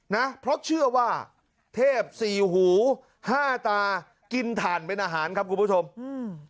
นะเพราะเชื่อว่าเทพสี่หูห้าตากินถ่านเป็นอาหารครับคุณผู้ชมอืม